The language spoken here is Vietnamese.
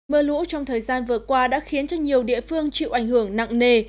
mưa lũ trong thời gian vừa qua đã khiến cho nhiều địa phương chịu ảnh hưởng nặng nề